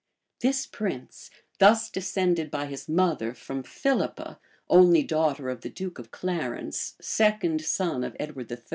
This prince, thus descended by his mother from Philippa, only daughter of the duke of Clarence, second son of Edward III.